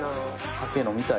酒飲みたいな。